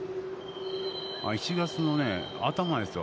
７月の頭ですよ。